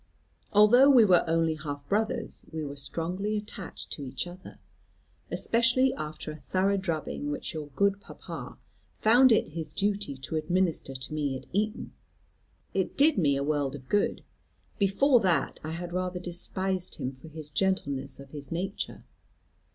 Although we were only half brothers, we were strongly attached to each other, especially after a thorough drubbing which your good papa found it his duty to administer to me at Eton. It did me a world of good; before that, I had rather despised him for the gentleness of his nature.